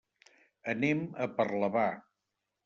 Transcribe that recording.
Anem a Parlavà.